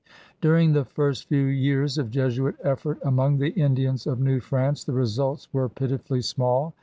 During the first few years of Jesuit effort among the Indians of New France the results were pitifully small.